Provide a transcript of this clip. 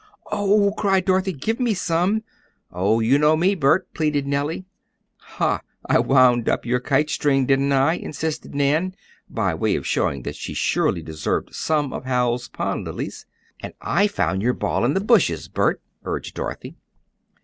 "Oh!" cried Dorothy, "give me some!" "Oh, you know me, Bert?" pleaded Nellie. "Hal, I wound up your kite string, didn't I?" insisted Nan, by way of showing that she surely deserved some of Hal's pond lilies. "And I found your ball in the bushes, Bert," urged Dorothy.